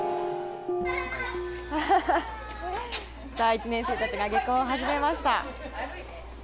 １年生たちが下校を始めました。